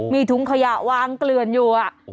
มีถุงขยะวางเกลือนอยู่